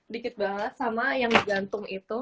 dikit banget sama yang digantung itu